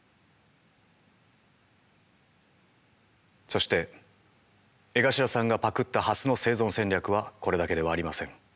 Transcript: そして江頭さんがパクったハスの生存戦略はこれだけではありません。